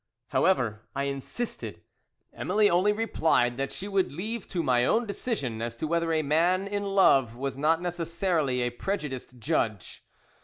"However, I insisted. "Emily only replied, that she would leave to my own decision as to whether a man in love was not necessarily a prejudiced judge.